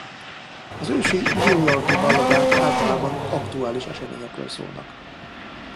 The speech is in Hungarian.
Az ősi New York-i balladák általában aktuális eseményekről szólnak.